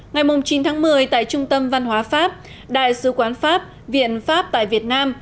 ngày chín tháng một mươi tại trung tâm văn hóa pháp đại sứ quán pháp viện pháp tại việt nam